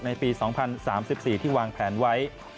ในปี๒๐๓๔ที่วางแผนไว้